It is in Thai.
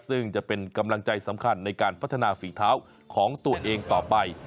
ซึ่งจะเป็นกำลังใจสำคัญในการพัฒนาฝีเท้าของตัวเองต่อไป